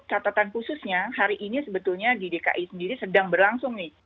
catatan khususnya hari ini sebetulnya di dki sendiri sedang berlangsung nih